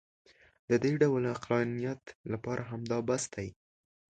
د دې ډول عقلانیت لپاره همدا بس دی.